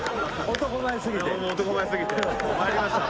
男前すぎて。